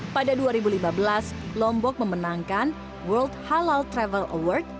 pada dua ribu lima belas lombok memenangkan world halal travel award